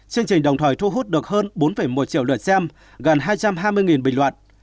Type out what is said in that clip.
chương trình đồng thời thu hút được hơn bốn một triệu lượt xem gần hai trăm hai mươi bình luận